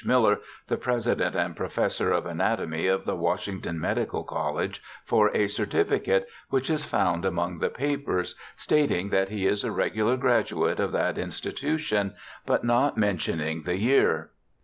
Miller, the President and Pro fessor of Anatomy of the Washington Medical College, for a certificate, which is found among the papers, stating that he is a regular graduate of that institution, but not mentioning the year.